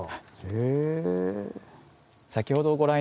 へえ。